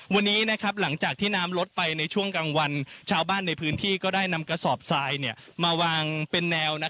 วันนี้หลังจากที่น้ำลดไปในช่วงกลางวันชาวบ้านในพื้นที่ก็ได้นำกระสอบทรายมาวางเป็นแนว